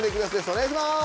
お願いします！